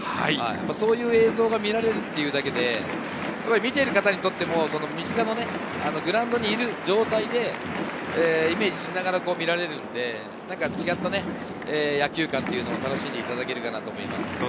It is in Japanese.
そういう映像が見られるというだけで、見てる方にとってもグラウンドにいる状態でイメージしながら見られるので、違った野球感というのを楽しんでいただけると思います。